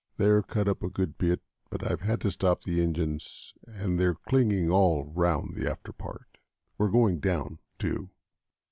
They're cut up a good bit, but I've had to stop the engines, and they're clinging all round the after part. We're going down, too.